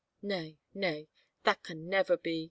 . Nay, nay, that can never be